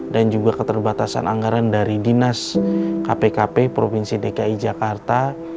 juga keterbatasan anggaran dari dinas kpkp provinsi dki jakarta